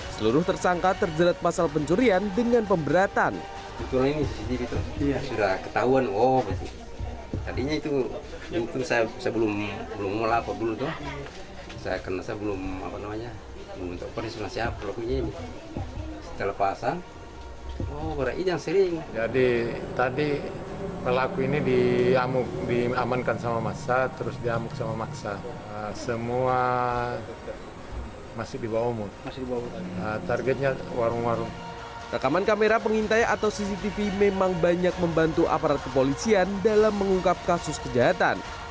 seluruh tersangka terjerat pasal pencurian dengan pemberatan